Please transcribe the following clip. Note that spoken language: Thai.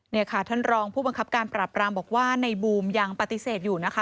นี่ค่ะท่านรองผู้บังคับการปรับรามบอกว่าในบูมยังปฏิเสธอยู่นะคะ